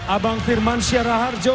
abang firman syaraharjo